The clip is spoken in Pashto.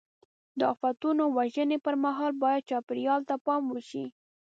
د آفتونو وژنې پر مهال باید چاپېریال ته پام وشي.